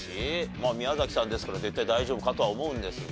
まあ宮崎さんですから絶対大丈夫かとは思うんですが。